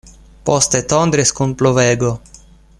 Poste tondris kun pluvego.